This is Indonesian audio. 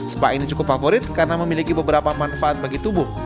spa ini cukup favorit karena memiliki beberapa manfaat bagi tubuh